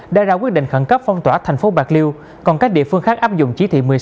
đã ra quyết định khẩn cấp phong tỏa thành phố bạc liêu còn các địa phương khác áp dụng chỉ thị một mươi sáu